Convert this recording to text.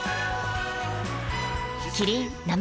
キリン「生茶」